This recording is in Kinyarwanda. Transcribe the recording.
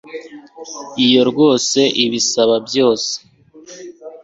iyo rwose ibisaba byose